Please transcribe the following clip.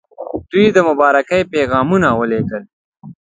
دوی د مبارکۍ پیغامونه ولېږل.